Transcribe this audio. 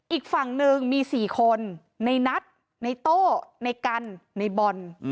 อีกฝั่งหนึ่งมี๔คนในนัทในโต้ในกันในบอล